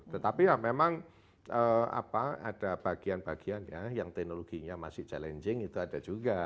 tetapi ya memang ada bagian bagian ya yang teknologinya masih challenging itu ada juga